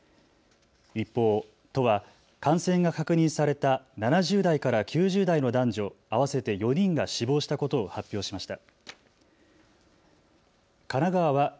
一方、都は感染が確認された７０代から９０代の男女合わせて４人が死亡したことを発表しました。